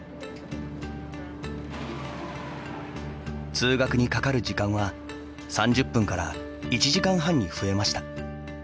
通学にかかる時間は３０分から１時間半に増えました。